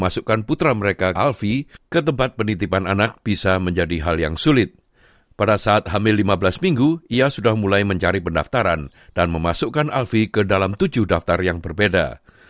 setelah hamil lima belas minggu ia sudah mulai mencari pendaftaran dan memasukkan alfie ke dalam tujuh daftar yang berbeda